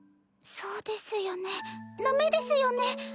そうですよねダメですよね。